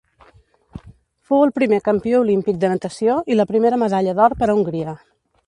Fou el primer campió olímpic de natació i la primera medalla d'or per a Hongria.